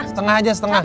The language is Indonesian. setengah aja setengah